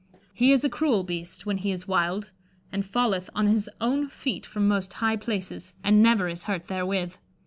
He is a cruell beaste when he is wilde, and falleth on his owne feete from moste highe places: and never is hurt therewith.